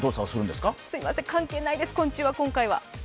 すいません、関係ないです、昆虫は今回は。